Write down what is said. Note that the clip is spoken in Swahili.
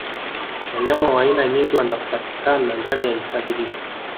Wanyama wa aina nyingi wanapatikana ndani ya hifadhi hii